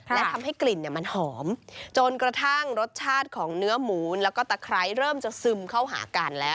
และทำให้กลิ่นมันหอมจนกระทั่งรสชาติของเนื้อหมูแล้วก็ตะไคร้เริ่มจะซึมเข้าหากันแล้ว